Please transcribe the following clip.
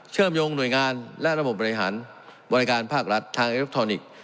เชื่อมโยงหน่วยงานและระบบบริหารบริการภาครัฐทางอิเล็กทรอนิกส์